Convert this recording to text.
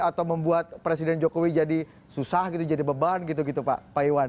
atau membuat presiden jokowi jadi susah gitu jadi beban gitu gitu pak iwan